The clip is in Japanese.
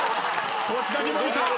こちらにもいた！